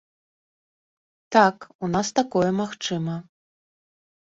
Так, у нас такое магчыма.